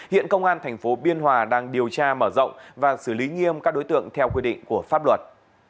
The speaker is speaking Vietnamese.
hiện công an tp biên hòa đang điều tra mở rộng và xử lý nghiêm các đối tượng theo quy định của pháp luật